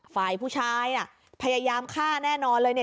ฝ่ายผู้ชายน่ะพยายามฆ่าแน่นอนเลยเนี่ย